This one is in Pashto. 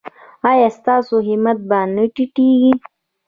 ایا ستاسو همت به نه ټیټیږي؟